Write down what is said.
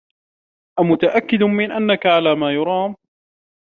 أمتأكد من أنك على ما يرام؟